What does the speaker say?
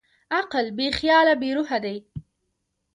عقل بېخیاله بېروحه دی.